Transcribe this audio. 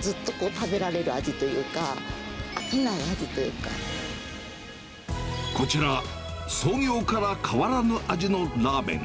ずっと食べられる味というか、こちら、創業から変わらぬ味のラーメン。